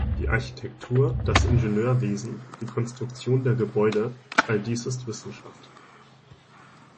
Die Architektur, das Ingenieurwesen, die Konstruktion der Gebäude, all dies ist Wissenschaft.